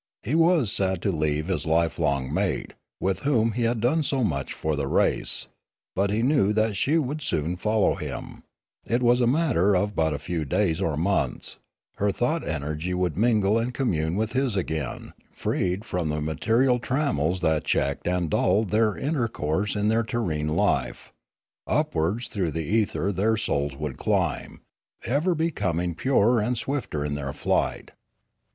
He was sad to leave his lifelong mate, with whom he had done so much for the race; but he knew that she would soon follow him; it was a matter of but a few days or months; her thought energy would mingle and commune with his again, freed from the material trammels that checked and dulled their inter course in their terrene life; upwards through the ether Death 365 their souls would climb, ever becoming purer and swifter in their flight.